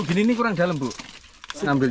gini nih kurang dalam bu